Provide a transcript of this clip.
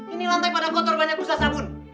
ini lantai pada kotor banyak pusat sabun